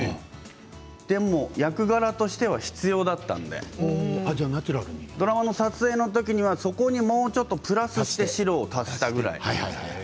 でも役柄としては必要だったのでドラマの撮影のときにはそこに、もうちょっとプラスして白を足したぐらい。